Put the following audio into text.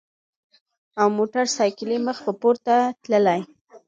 او موټر ساېکلې مخ پۀ پورته تللې ـ